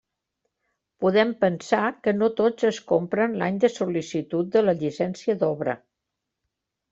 Podem pensar que no tots es compren l'any de sol·licitud de la llicència d'obra.